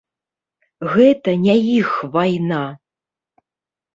Гэта не іх вайна.